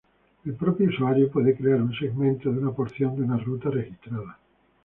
El propio usuario puede crear un segmento de una porción de una ruta registrada.